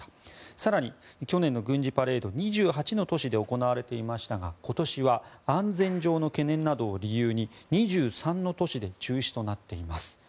更に、去年の軍事パレード２８の都市で行われていましたが今年は安全上の懸念などを理由に２３の都市で中止となっています。